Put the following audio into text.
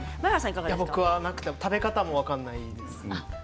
僕はなくて食べ方も分からないです。